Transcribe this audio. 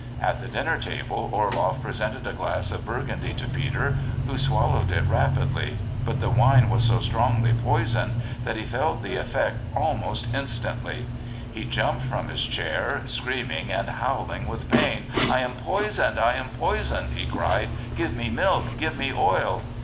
At the dinner table Orloff presented a glass of Burgundy to Peter, who swallowed it rapidly; but the wine was so strongly poisoned that he felt the effect almost instantly. He jumped from his chair, screaming and howling with pain. "I am poisoned! I am poisoned!" he cried, "give me milk, give me oil!"